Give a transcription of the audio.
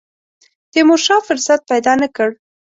تیمورشاه فرصت پیدا نه کړ.